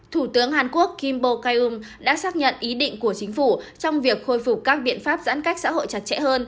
thủ tướng hàn quốc kim bo kyung đã xác nhận ý định của chính phủ trong việc khôi phục các biện pháp giãn cách xã hội chặt chẽ hơn